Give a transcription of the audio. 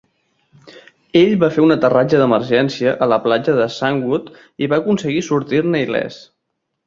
Ell va fer un aterratge d'emergència a la platja de Sandwood i va aconseguir sortir-ne il·lès.